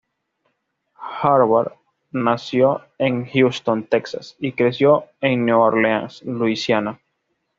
Harvard nació en Houston, Texas y creció en Nueva Orleans, Luisiana.